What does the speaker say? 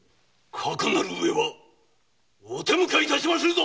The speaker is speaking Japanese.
かくなるうえはお手向かい致しまするぞ。